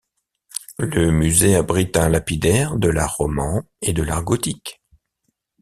Le musée abrite un lapidaire de l'art roman et de l'art gothique.